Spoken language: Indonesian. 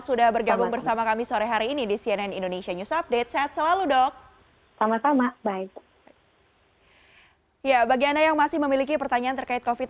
sudah bergabung bersama kami sore hari ini di cnn indonesia news update